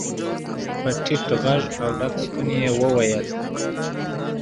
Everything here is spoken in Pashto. په ټيټ غږ او ډک ستوني يې وويل.